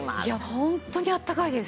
ホントにあったかいです。